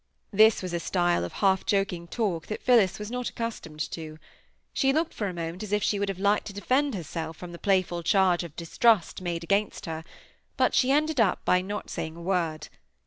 This was a style of half joking talk that Phillis was not accustomed to. She looked for a moment as if she would have liked to defend herself from the playful charge of distrust made against her, but she ended by not saying a word.